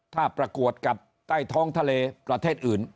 ถ้าประกวดกับใต้ท้องทะเลประเทศอื่น